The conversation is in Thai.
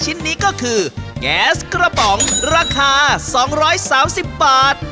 ชิ้นนี้ก็คือแก๊สกระป๋องราคา๒๓๐บาท